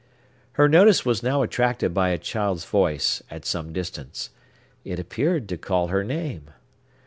Her notice was now attracted by a child's voice, at some distance. It appeared to call her name.